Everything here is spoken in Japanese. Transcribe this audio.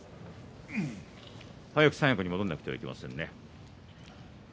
早く三役に戻らなくてはいけませんね。